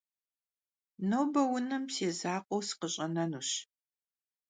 Nobe vunem si zakhueu sıkhış'enenuş.